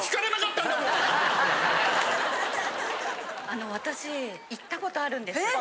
あの私行ったことあるんです。